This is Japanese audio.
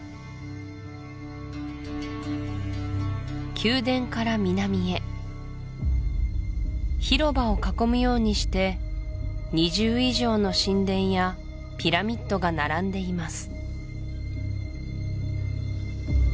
宮殿から南へ広場を囲むようにして２０以上の神殿やピラミッドが並んでいます